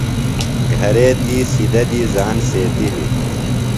گھرے تی شِدہ دی زان سیتِلیۡ۔